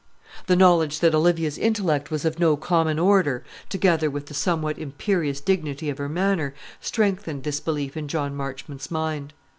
The knowledge that Olivia's intellect was of no common order, together with the somewhat imperious dignity of her manner, strengthened this belief in John Marchmont's mind.